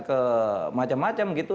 ke macam macam gitu